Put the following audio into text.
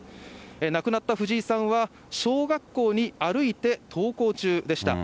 亡くなった藤井さんは、小学校に歩いて登校中でした。